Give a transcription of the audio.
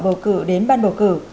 bầu cử đến ban bầu cử